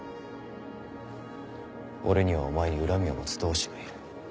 俺にはお前に恨みを持つ同志がいる。